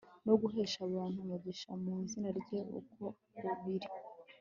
no guhesha abantu umugisha mu izina rye uko biri